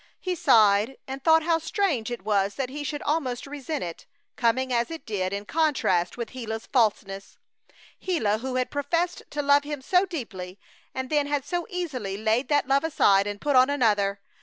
He sighed and thought how strange it was that he should almost resent it, coming as it did in contrast with Gila's falseness. Gila who had professed to love him so deeply, and then had so easily laid that love aside and put on another.